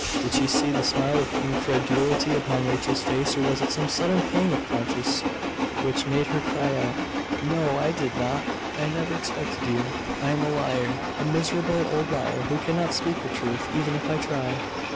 Did she see the smile of incredulity upon Raphael's face, or was it some sudden pang of conscience which made her cry out '.... No! I did not! I never expected you! I am a liar, a miserable old liar, who cannot speak the truth, even if I try!